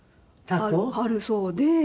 あるそうで。